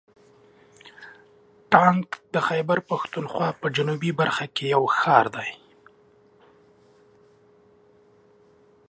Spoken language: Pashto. ټانک د خیبر پښتونخوا په جنوبي برخه کې یو ښار دی.